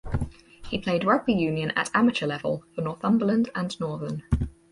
He played rugby union at amateur level for Northumberland and Northern.